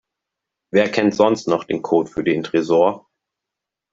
Wer kennt sonst noch den Code für den Tresor?